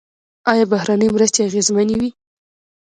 آیا بهرنۍ مرستې اغیزمنې وې؟